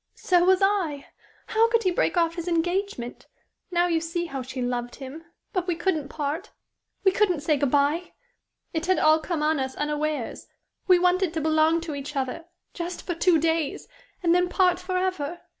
So was I. How could he break off his engagement? Now you see how she loved him. But we couldn't part we couldn't say good bye. It had all come on us unawares. We wanted to belong to each other just for two days and then part forever.